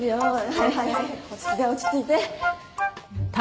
はいはいはい落ち着いて。